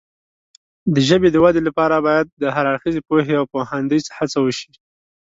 د ژبې د وده لپاره باید د هر اړخیزې پوهې او پوهاندۍ هڅه وشي.